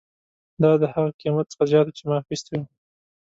دا د هغه قیمت څخه زیات و چې ما اخیستی و